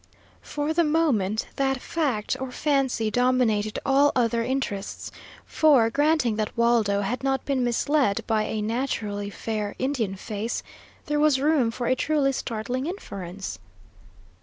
For the moment that fact or fancy dominated all other interests, for, granting that Waldo had not been misled by a naturally fair Indian face, there was room for a truly startling inference.